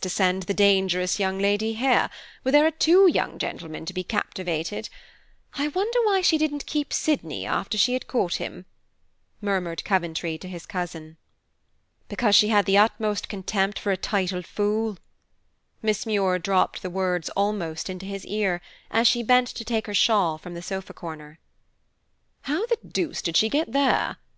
to send the dangerous young lady here, where there are two young gentlemen to be captivated. I wonder why she didn't keep Sydney after she had caught him," murmured Coventry to his cousin. "Because she had the utmost contempt for a titled fool." Miss Muir dropped the words almost into his ear, as she bent to take her shawl from the sofa corner. "How the deuce did she get there?"